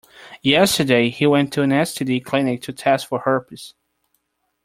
Yesterday, he went to an STD clinic to test for herpes.